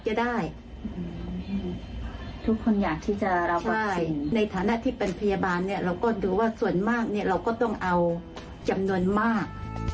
เราก็ต้องเอาจำนวนมาก